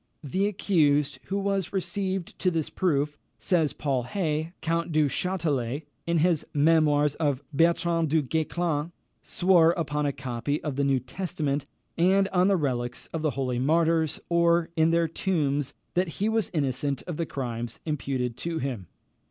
The accused who was received to this proof, says Paul Hay, Count du Chastelet, in his Memoirs of Bertrand du Guesclin, swore upon a copy of the New Testament, and on the relics of the holy martyrs, or on their tombs, that he was innocent of the crime imputed to him.